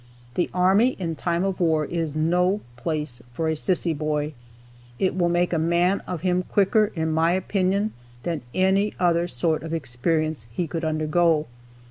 The army in time of war is no place for a "sissy boy;" it will make a man of him quicker, in my opinion, than any other sort of experience he could undergo.